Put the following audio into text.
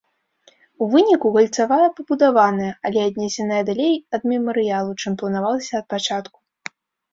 У выніку кальцавая пабудаваная, але аднесеная далей ад мемарыялу, чым планавалася ад пачатку.